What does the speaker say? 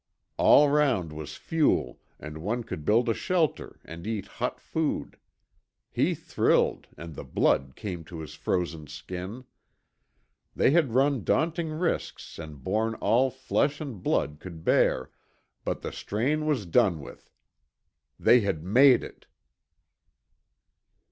All round was fuel and one could build a shelter and eat hot food. He thrilled and the blood came to his frozen skin. They had run daunting risks and borne all flesh and blood could bear, but the strain was done with. They had made it!